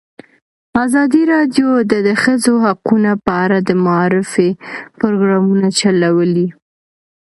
ازادي راډیو د د ښځو حقونه په اړه د معارفې پروګرامونه چلولي.